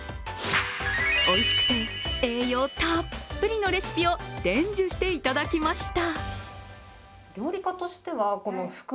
おいしくて、栄養たっぷりのレシピを伝授していただきました。